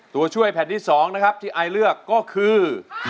ตัวช่วยแผ่นที่๒นะครับที่ไอเลือกก็คือ